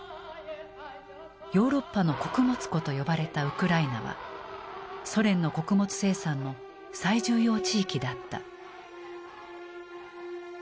「ヨーロッパの穀物庫」と呼ばれたウクライナはソ連の穀物生産の最重要地域だった。